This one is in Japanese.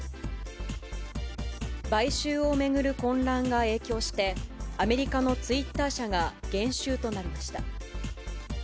買収を巡る混乱が影響して、アメリカのツイッター社が減収となりました。